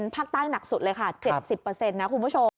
ภาคใต้หนักสุดเลยค่ะ๗๐นะคุณผู้ชม